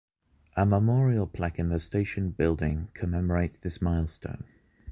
A memorial plaque in the station building commemorates this milestone.